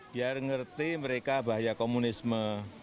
biar ngerti mereka bahaya komunisme